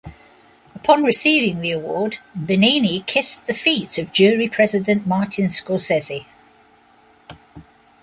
Upon receiving the award, Benigni kissed the feet of jury president Martin Scorsese.